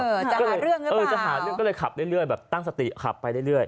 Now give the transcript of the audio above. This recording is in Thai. จะหาเรื่องหรือเปล่าเออจะหาเรื่องก็เลยขับเรื่อยแบบตั้งสติขับไปเรื่อย